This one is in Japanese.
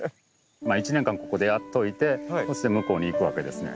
１年間ここでやっといてそして向こうに行くわけですね。